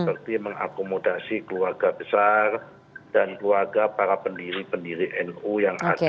seperti mengakomodasi keluarga besar dan keluarga para pendiri pendiri nu yang ada